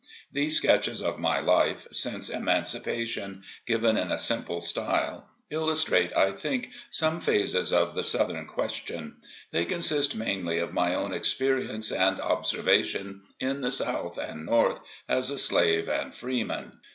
These sketches of my life, since Emancipation, given in a simple style, illustrate, I think, some phases of the "Southern Question" They consist mainly of my own experience and observation in the South and North, as a slave and freeman.